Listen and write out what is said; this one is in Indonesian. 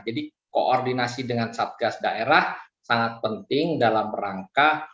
jadi koordinasi dengan satgas daerah sangat penting dalam rangka